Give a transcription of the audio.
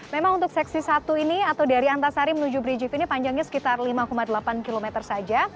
memang untuk seksi satu ini atau dari antasari menuju brigif ini panjangnya sekitar lima delapan km saja